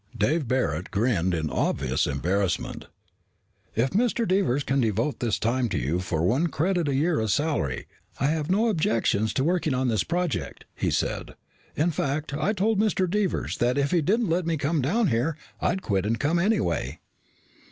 Dave Barret grinned in obvious embarrassment. "If Mr. Devers can devote his time to you for one credit a year as salary, I have no objections to working on this project," he said. "In fact, I told Mr. Devers that if he didn't let me come down here, I'd quit and come, anyway."